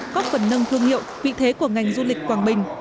góp phần nâng thương hiệu vị thế của ngành du lịch quảng bình